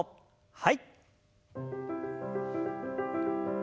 はい。